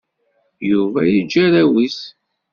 Yuba yeǧǧa arraw-is.